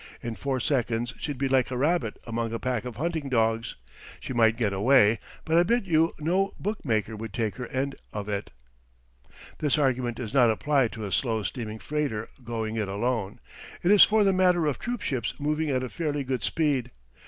In four seconds she'd be like a rabbit among a pack of hunting dogs. She might get away, but I bet you no bookmaker would take her end of it." This argument does not apply to a slow steaming freighter going it alone; it is for the matter of troop ships moving at a fairly good speed.